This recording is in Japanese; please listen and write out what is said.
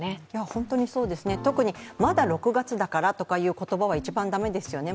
本当にそうですね、まだ６月だからという言葉は一番だめですよね。